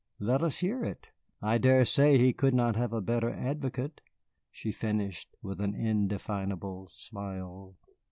Let us hear it I dare say he could not have a better advocate," she finished, with an indefinable smile.